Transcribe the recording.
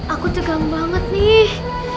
aku tegang banget nih